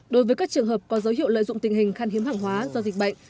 đối với các trường hợp có dấu hiệu lợi dụng tình hình khăn hiếm hàng hóa do dịch bệnh